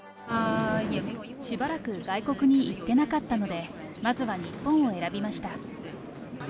しばらく外国に行ってなかったので、まずは日本を選びました。